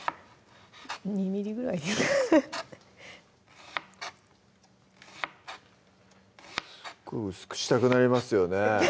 ２ｍｍぐらいすごい薄くしたくなりますよね